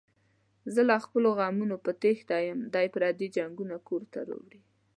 زه له خپلو غمونو په تېښته یم، دی پري جنگونه کورته راوړي.